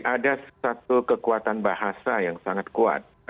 ada satu kekuatan bahasa yang sangat kuat